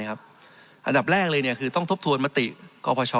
อันดับแรกต้องทบทวนมติกพ